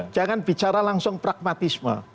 jangan bicara langsung pragmatisme